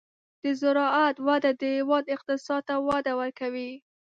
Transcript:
د زراعت وده د هېواد اقتصاد ته وده ورکوي.